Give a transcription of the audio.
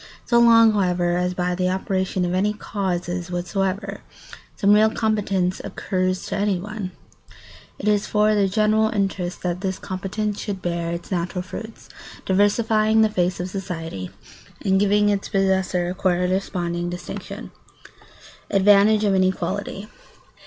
So long, however, as by the operation of any causes whatever some real competence accrues to anyone, it is for the general interest that this competence should bear its natural fruits, diversifying the face of society and giving its possessor a corresponding distinction. [Sidenote: Advantage of inequality.